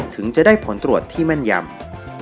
ถึงจะได้ผลตรวจที่แม่นยำ